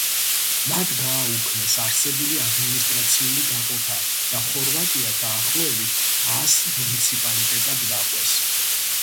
მათ გააუქმეს არსებული ადმინისტრაციული დაყოფა და ხორვატია დაახლოებით ას მუნიციპალიტეტად დაყვეს.